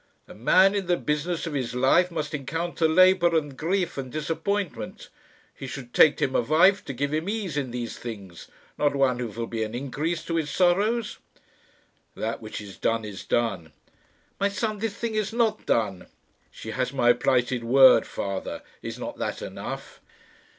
"A man in the business of his life must encounter labour and grief and disappointment. He should take to him a wife to give him ease in these things, not one who will be an increase to his sorrows." "That which is done is done." "My son, this thing is not done." "She has my plighted word, father. Is not that enough?"